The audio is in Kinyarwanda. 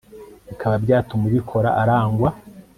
bikaba byatuma ubikora arangwa